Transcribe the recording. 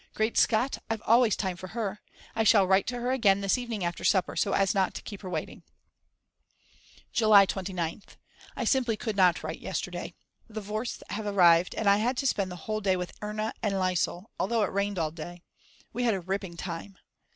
Great Scott, I've always time for her. I shall write to her again this evening after supper, so as not to keep her waiting. July 29th. I simply could not write yesterday. The Warths have arrived, and I had to spend the whole day with Erna and Liesel, although it rained all day. We had a ripping time.